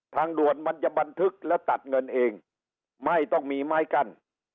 ทางด่วนมันจะบันทึกแล้วตัดเงินเองไม่ต้องมีไม้กั้น